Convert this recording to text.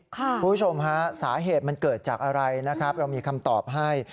คุณผู้ชมฮะสาเหตุมันเกิดจากอะไรนะครับเรามีคำตอบให้